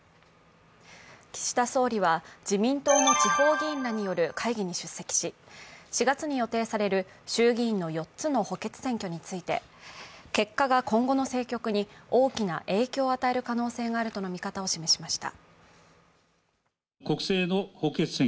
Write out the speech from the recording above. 岸田総理は自民党の地方議員らによる会議に出席し４月に予定される衆議院の４つの補欠選挙について結果が今後の政局に大きな影響を与える可能性があるとの見方を示しました。